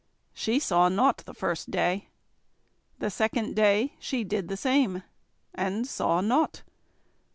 She saw nought the first day. The second day she did the same, and saw nought.